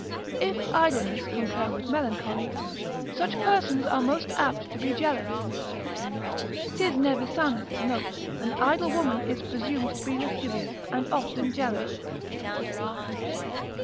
If idleness concur with melancholy, such persons are most apt to be jealous; 'tis Nevisanus' note, an idle woman is presumed to be lascivious, and often jealous.